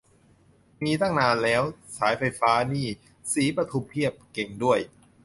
มีตั้งนานแล้ว สายไฟฟ้านี่ ศรีปทุมเพียบ เก่งด้วย